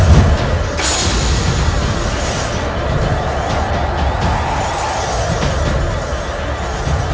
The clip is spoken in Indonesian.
tidak akan terjadi apapun